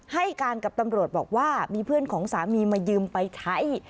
ให้การกับตำรวจบอกว่ามีเพื่อนของสามีมายืมไปใช้